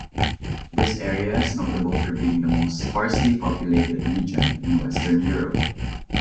This area is notable for being the most sparsely populated region in Western Europe.